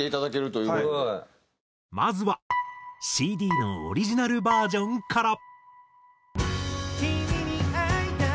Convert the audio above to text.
まずはＣＤのオリジナルバージョンから。